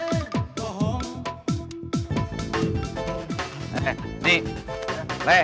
bagaimana saja pak